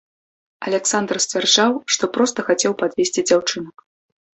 Аляксандр сцвярджаў, што проста хацеў падвезці дзяўчынак.